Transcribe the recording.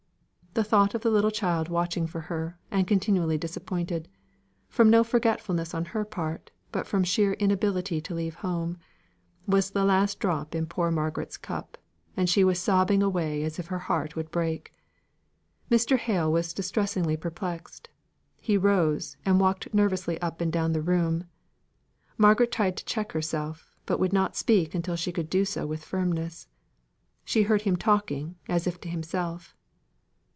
The thought of the little child watching for her, and continually disappointed from no forgetfulness on her part, but from sheer inability to leave home was the last drop in poor Margaret's cup, and she was sobbing away as if her heart would break. Mr. Hale was distressingly perplexed. He rose, and walked nervously up and down the room. Margaret tried to check herself, but would not speak until she could do so with firmness. She heard him talking, as if to himself.